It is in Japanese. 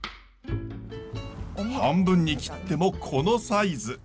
半分に切ってもこのサイズ。